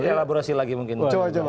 ya elaborasi lagi mungkin